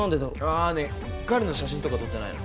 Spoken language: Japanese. あねえ彼の写真とか撮ってないの？